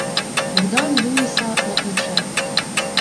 Богдан "Люїса" на плече: